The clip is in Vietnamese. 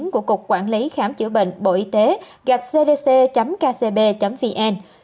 của cục quản lý khám chữa bệnh bộ y tế gạch cdc kcb vn